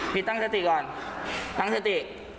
พี่ตั้งสติก่อนตั้งสติ